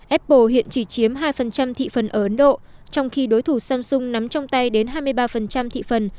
apple hiện chỉ chiếm hai thị phần ở ấn độ trong khi đối thủ samsung nắm trong tay đến hai mươi ba thị phần